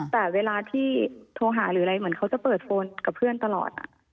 แต่เวลาที่โทรหาหรืออะไรเหมือนเขาจะเปิดโฟนกับเพื่อนตลอด